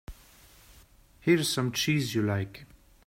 Here's some cheese you like.